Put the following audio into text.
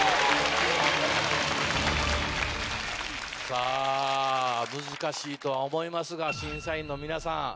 さぁ難しいとは思いますが審査員の皆さん